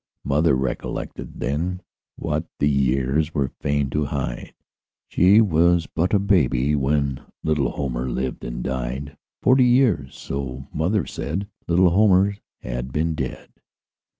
Mother recollected then What the years were fain to hide She was but a baby when Little Homer lived and died; Forty years, so mother said, Little Homer had been dead.